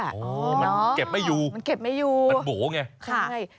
มันเก็บไม่อยู่มันโบ๋ไงค่ะมันเก็บไม่อยู่